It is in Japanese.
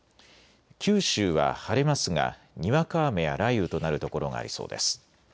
九州は晴れますが、にわか雨や雷雨となる所がありそうです。